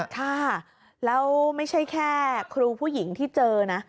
ค่ะแล้วไม่ใช่แค่ครูผู้หญิงที่เจอนะ